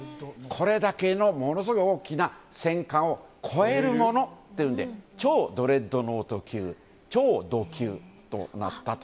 これだけのものすごく大きな戦艦を超えるものというんで超「ドレッドノート」級超ド級となったと。